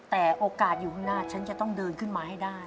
แต่โอกาสอยู่ข้างหน้าฉันจะต้องเดินขึ้นมาให้ได้